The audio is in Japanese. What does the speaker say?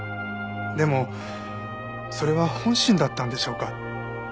でもそれは本心だったんでしょうか？